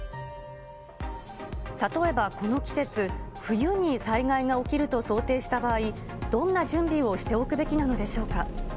例えばこの季節、冬に災害が起きると想定した場合、どんな準備をしておくべきなのでしょうか。